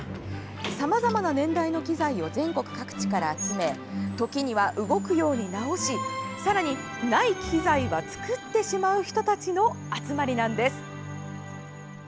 さまざまな年代の機材を全国各地から集め時には、動くように直しさらに、ない機材は作ってしまう人たちの集まりなんです。